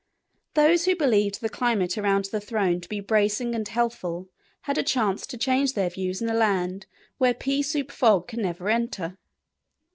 Those who believed the climate around the throne to be bracing and healthful had a chance to change their views in a land where pea soup fog can never enter.